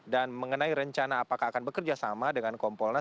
dan mengenai rencana apakah akan bekerja sama dengan kompolna